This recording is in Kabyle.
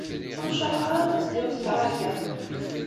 Ur necraḥeɣ ara aṭas di Ustṛalya.